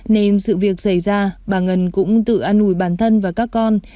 nên sự việc xảy ra bà ngân cũng tự ăn uổi bản thân và các con